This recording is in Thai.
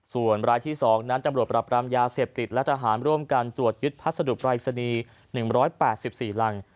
ส่วนรายที่๒นั้นตำรวจปรับรามยาเสพติดและทหารร่วมกันตรวจยึดพัสดุปรายศนีย์๑๘๔รัง